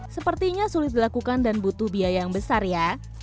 sepertinya sulit dilakukan dan butuh biaya yang besar ya